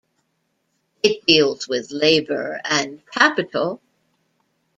It deals with labour, and capital.